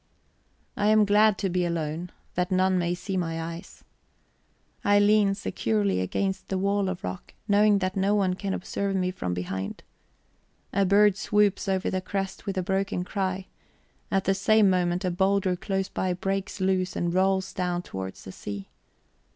I am glad to be alone, that none may see my eyes. I lean securely against the wall of rock, knowing that no one can observe me from behind. A bird swoops over the crest with a broken cry; at the same moment a boulder close by breaks loose and rolls down towards the sea.